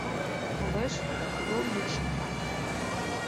Колеш, йол йӱк шокта.